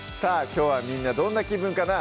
きょうはみんなどんな気分かな？